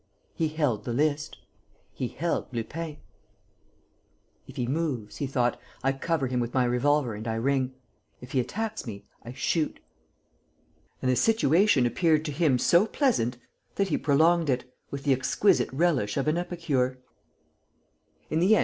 He held the list. He held Lupin: "If he moves," he thought, "I cover him with my revolver and I ring. If he attacks me, I shoot." And the situation appeared to him so pleasant that he prolonged it, with the exquisite relish of an epicure. In the end, M.